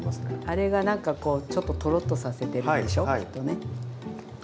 あれが何かこうちょっとトロッとさせてるでしょきっとね。